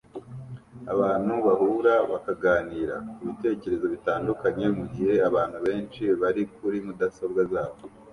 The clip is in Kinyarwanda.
Abantu bahura bakaganira kubitekerezo bitandukanye mugihe abantu benshi bari kuri mudasobwa zabo